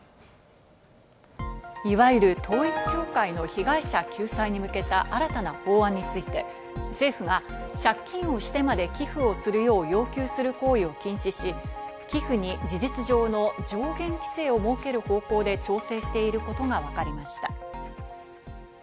いわゆる統一教会の被害者救済に向けた新たな法案について政府が借金をしてまで寄付をするよう要求する行為を禁止し、寄付に事実上の上限規制を設ける方向で調整していることがわかりました。